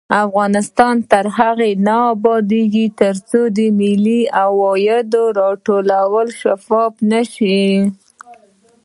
افغانستان تر هغو نه ابادیږي، ترڅو د ملي عوایدو راټولول شفاف نشي.